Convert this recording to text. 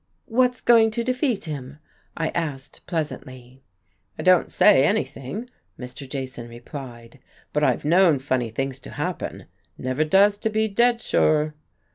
"What's going to defeat him?" I asked pleasantly. "I don't say anything," Mr. Jason replied. "But I've known funny things to happen never does to be dead sure."